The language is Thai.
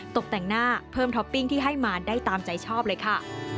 ตกแต่งหน้าเพิ่มท็อปปิ้งที่ให้มาได้ตามใจชอบเลยค่ะ